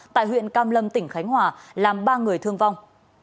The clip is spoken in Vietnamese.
tại huyện cam lâm tỉnh khánh hòa làm ba người thương vong